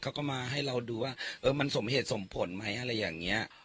เขาก็มาให้เราดูว่าเออมันสมเหตุสมผลไหมอะไรอย่างนี้